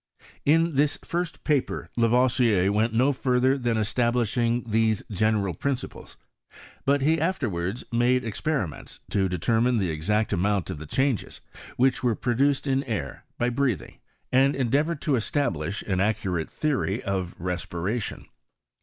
In this first paper Lavoisier went no further thaa establishing these general principles ; but he after wards made experiments to determine the exact amount of the changes which were produced ii by breathing, and endeavoured to establish an curate theory of respiration.